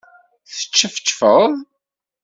Teččefčfeḍ?